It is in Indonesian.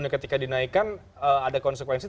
ketika dinaikkan ada konsekuensi